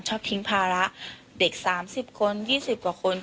ชอบทิ้งภาระเด็ก๓๐คน๒๐กว่าคน